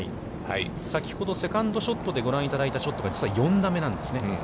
先ほどセカンドショットでご覧いただいたショットが、実は４打目なんですね。